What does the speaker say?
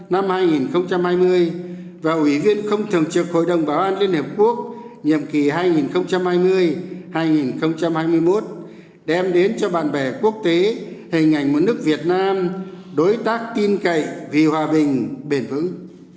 năm hai nghìn hai mươi và ủy viên không thường trực hội đồng bảo an liên hiệp quốc nhiệm kỳ hai nghìn hai mươi hai nghìn hai mươi một đem đến cho bạn bè quốc tế hình ảnh một nước việt nam đối tác tin cậy vì hòa bình bền vững